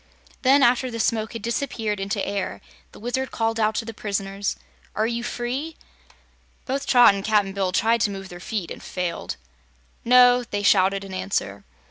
Then, after the smoke had disappeared into air, the Wizard called out to the prisoners: "Are you free?" Both Trot and Cap'n Bill tried to move their feet and failed. "No!" they shouted in answer.